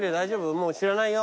もう知らないよ。